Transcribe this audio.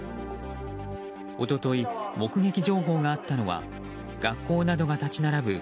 一昨日、目撃情報があったのは学校などが立ち並ぶ